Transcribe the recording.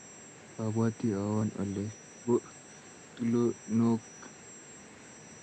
Abwati awon olen po tulonokm